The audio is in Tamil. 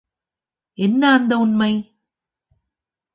என்ன அந்த உண்மை?